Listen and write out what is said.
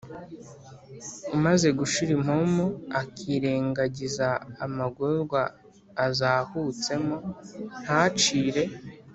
umaze gushira impumu, akirengagiza amagorwa azahutsemo, ntacire